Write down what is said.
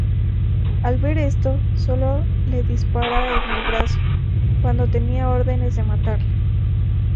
Al ver esto, sólo le dispara en el brazo, cuando tenía órdenes de matarla.